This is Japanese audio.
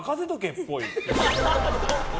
っぽい。